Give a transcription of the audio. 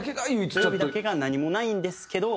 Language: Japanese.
土曜日だけが何もないんですけど。